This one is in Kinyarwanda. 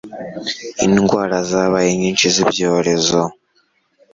Indwara zabaye nyinshi zibyorezo